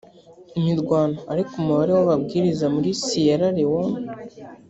imirwano ariko umubare w ababwiriza muri siyera lewone